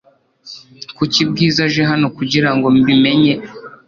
Kuki Bwiza aje hano kugirango mbi menye